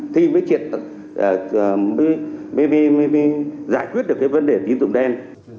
thì mới triệt giải quyết được cái vấn đề tín dụng đen